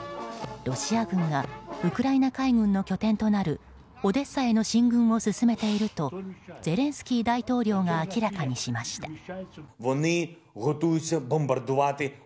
ロシア軍がウクライナ海軍の拠点となるオデッサへの進軍を進めているとゼレンスキー大統領が明らかにしました。